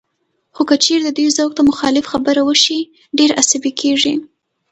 خو که چېرې د دوی ذوق ته مخالف خبره وشي، ډېر عصبي کېږي